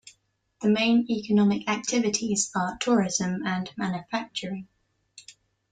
The main economic activities are tourism and manufacturing.